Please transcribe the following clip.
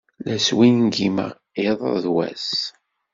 La swingimeɣ iḍ d wass.